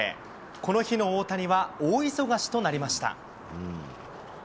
この日、大谷は大忙しとなりました。